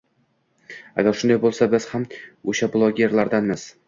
Agar shunday bo'lsa, biz ham o'sha bloggerlardanmiz